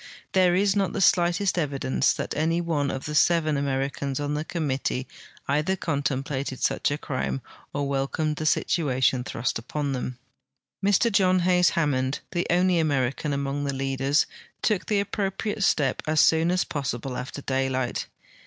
There is not the slightest evidence tliat any one of the seven Americans on the committee either contemplated such a crime or welcomed the situation thrust U{)on them. Mr John Hays Hammond, the only American among the leaders, took the aj)propriate step as soon as possible after daylight.